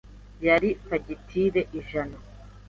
Yari fagitire ijana.